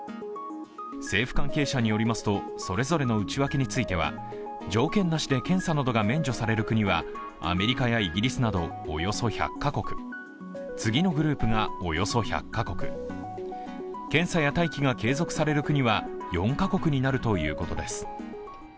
政府関係者によりますと、それぞれの内訳については条件なしで検査などが免除される国はアメリカやイギリスなどおよそ１００カ国、次のグループがおよそ１００カ国、検査や待機が継続される国は４カ国になるということです。